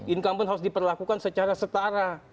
incumbent harus diperlakukan secara setara